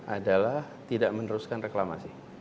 adalah tidak meneruskan reklamasi